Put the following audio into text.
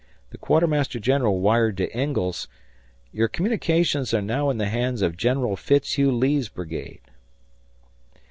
The quartermaster general wired to Ingalls, "Your communications are now in the hands of General Fitzhugh Lee's brigade."